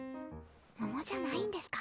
ももじゃないんですか？